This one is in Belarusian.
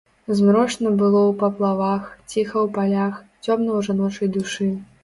Змрочна было ў паплавах, ціха ў палях, цёмна ў жаночай душы.